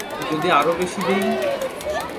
যদি আরো বেশি দিই?